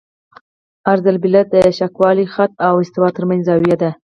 عرض البلد د شاقولي خط او استوا ترمنځ زاویه ده